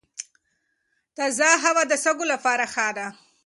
تازه هوا د سږو لپاره ښه ده.